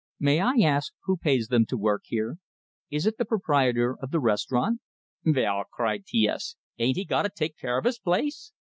May I ask, who pays them to work here? Is it the proprietor of the restaurant?" "Vell," cried T S, "ain't he gotta take care of his place?"